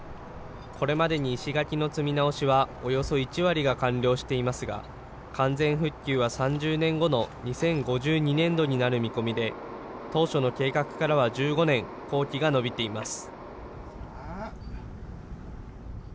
これまでに石垣の積み直しはおよそ１割が完了していますが、完全復旧は３０年後の２０５２年度になる見込みで、当初の計画からは１５年、工期が延びています。